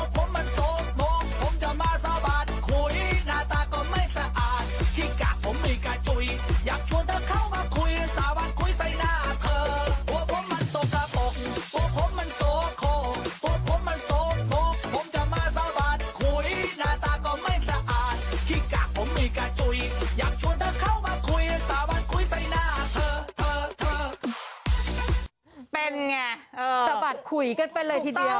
เป็นไงสะบัดคุยกันไปเลยทีเดียว